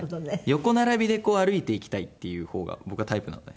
横並びで歩いていきたいっていう方が僕はタイプなので。